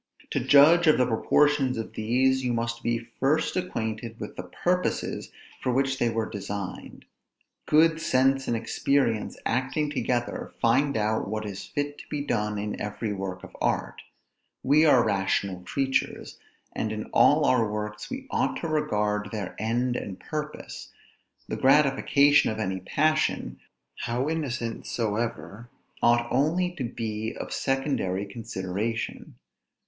To judge of the proportions of these, you must be first acquainted with the purposes for which they were designed. Good sense and experience acting together, find out what is fit to be done in every work of art. We are rational creatures, and in all our works we ought to regard their end and purpose; the gratification of any passion, how innocent soever, ought only to be of secondary consideration.